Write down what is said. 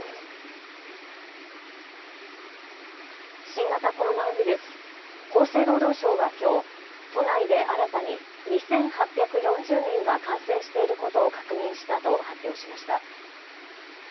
新型コロナウイルス、厚生労働省はきょう都内で新たに２８４０人が感染していることを確認したと発表しました。